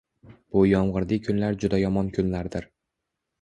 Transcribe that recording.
Bu yomg’irli kunlar juda yomon kunlardir